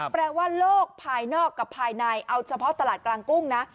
แปลว่าโลกภายนอกกับภายในเอาเฉพาะตลาดกลางกุ้งนะ